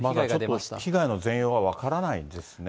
まだちょっと被害の全容が分からないですね。